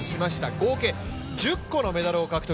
合計１０個のメダルを獲得。